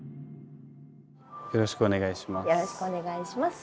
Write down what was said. よろしくお願いします。